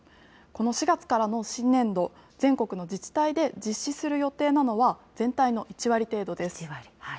この４月からの新年度、全国の自治体で実施する予定なのは、全体の１割程度です。